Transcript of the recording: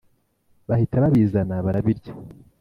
bahita babizana barabirya!